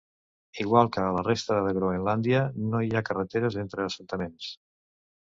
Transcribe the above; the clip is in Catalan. Igual que a la resta de Groenlàndia, no hi ha carreteres entre assentaments.